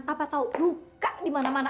papa tau luka dimana mana